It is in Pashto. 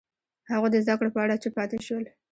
هغوی د زده کړو په اړه چوپ پاتې شول.